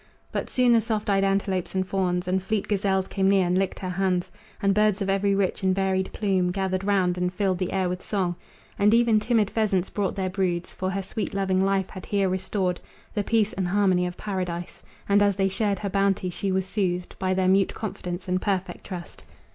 But soon the soft eyed antelopes and fawns And fleet gazelles came near and licked her hands; And birds of every rich and varied plume Gathered around and filled the air with song; And even timid pheasants brought their broods, For her sweet loving life had here restored The peace and harmony of paradise; And as they shared her bounty she was soothed By their mute confidence and perfect trust.